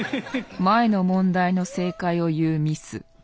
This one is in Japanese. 前の問題の正解を言うミス。